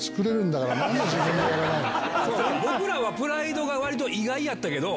僕らは『ＰＲＩＤＥ』が割と意外やったけど。